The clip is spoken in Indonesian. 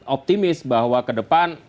optimis bahwa kedepan